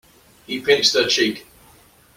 He pinched her cheek.